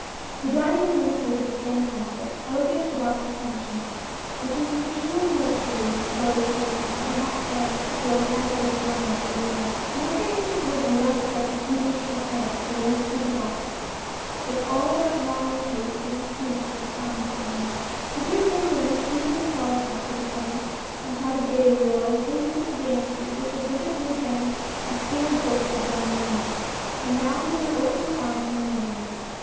The dining room indicated the same comfort — ele gant without pretension, which is the true luxury of those persons who do not care to throw handfuls of money out of the window. Nothing was less like a feudal chS,teau than this pretty box, but all that modern taste had introduced was found within reach. The two pretty women seated themselves opposite each other, and chatted gayly while they tasted the dainties which had hitherto been a sealed book to Bonne Marie, and now made her open her eyes in wonder.